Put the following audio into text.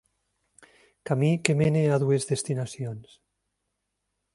Camí que mena a dues destinacions.